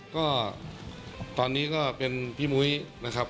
ก็ตอนนี้ก็เป็นพี่มุ้ยนะครับ